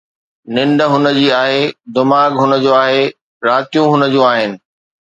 ننڊ هن جي آهي، دماغ هن جو آهي، راتيون هن جون آهن